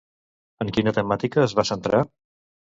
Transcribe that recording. En quina temàtica es va centrar?